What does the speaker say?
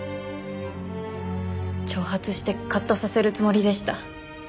挑発してカッとさせるつもりでした。